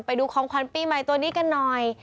ไปดูของขวัญปีใหม่ตัวนี้กันหน่อย